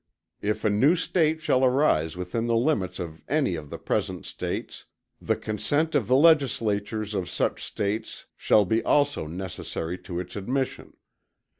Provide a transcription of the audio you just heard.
If a new State shall arise within the limits of any of the present States, the consent of the Legislatures of such States shall be also necessary to its admission.